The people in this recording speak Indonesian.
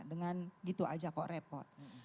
dengan gitu aja kok repot